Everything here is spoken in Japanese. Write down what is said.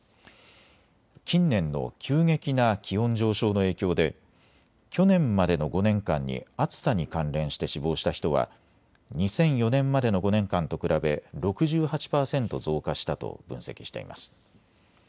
近年の急激な気温上昇の影響で去年までの５年間に暑さに関連して死亡した人は２００４年までの５年間と比べ６８％増加したと分析しています。